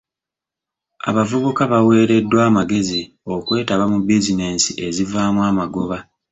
Abavubuka baweereddwa amagezi okwetaba mu bizinensi ezivaamu amagoba.